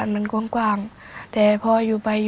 เมื่อ